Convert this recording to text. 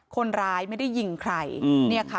คนร้ายไม่ได้ยิงใครเนี่ยค่ะ